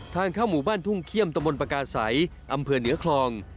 ทางเข้าหมู่บ้านทุ่งเขี้ยมตะบนปากาศัยอำเภอเหนือคลอง